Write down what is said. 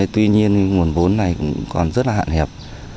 tuy nhiên nguồn vốn này cũng còn rất là hạn hẹp